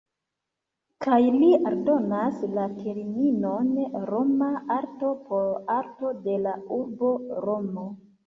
Kaj li aldonas la terminon "Roma arto", por arto de la urbo Romo.